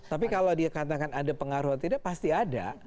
tapi kalau dikatakan ada pengaruh atau tidak pasti ada